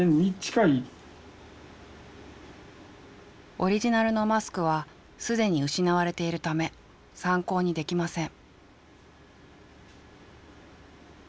オリジナルのマスクは既に失われているため参考にできません。